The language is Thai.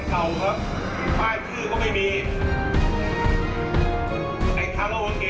ผมจะจับไม่ได้ผมจะ